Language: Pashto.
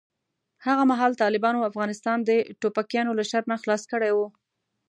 هغه مهال طالبانو افغانستان د ټوپکیانو له شر نه خلاص کړی و.